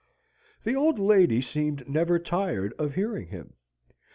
The old lady seemed never tired of hearing him.